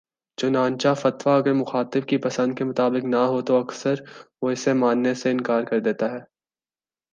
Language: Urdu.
چنانچہ فتویٰ اگر مخاطب کی پسند کے مطابق نہ ہو تو اکثر وہ اسے ماننے سے انکار کر دیتا ہے